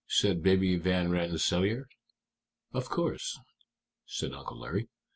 said Baby Van Rensselaer. "Of course," said Uncle Larry.